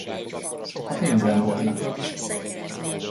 Ha pénzem volna!